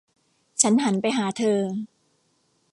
ฉันหันไปหาเธอ